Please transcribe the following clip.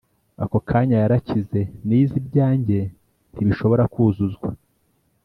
ako kanya - yarakize!nize ibyanjye ntibishobora kuzuzwa,